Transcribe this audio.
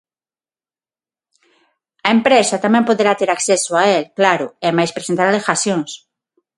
A empresa tamén poderá ter acceso a el, claro, e mais presentar alegacións.